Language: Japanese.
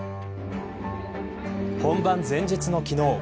本番前日の昨日。